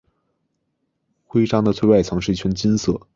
徽章的最外层是一圈金色。